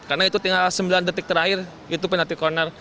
karena itu tinggal sembilan detik terakhir itu penalti corner